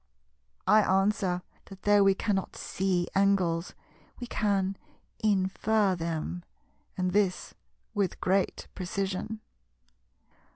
I answer that though we cannot see angles, we can infer them, and this with great precision.